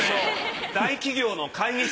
大企業の会議室。